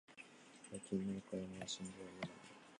最近の若者は新聞を読まない